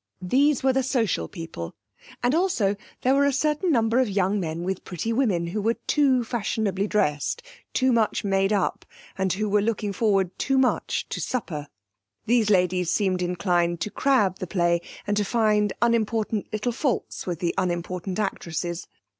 These were the social people, and also there were a certain number of young men with pretty women who were too fashionably dressed, too much made up, and who were looking forward too much to supper. These ladies seemed inclined to crab the play, and to find unimportant little faults with the unimportant actresses.